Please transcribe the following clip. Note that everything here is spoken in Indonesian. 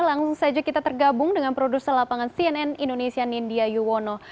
langsung saja kita tergabung dengan produser lapangan cnn indonesia nindya yuwono